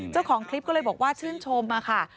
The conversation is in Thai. เจ้าของคลิปก็เลยบอกว่าชื่นชมค่ะ